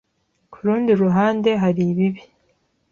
Ku rundi ruhande, hari ibibi.